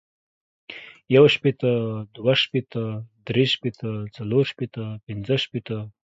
يو شپيته ، دوه شپيته ،دري شپیته ، څلور شپيته ، پنځه شپيته،